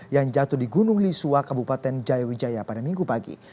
yang jatuh di gunung lisua kabupaten jayawijaya pada minggu pagi